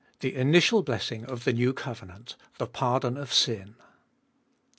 THE INITIAL BLESSING OF THE NEW COVENANT— THE PARDON OF SIN.